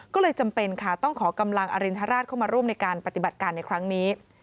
ก็เลยจำเป็นค่ะต้องขอกำลังอรินทราชเข้ามาร่วมในการปฏิบัติการในครั้งนี้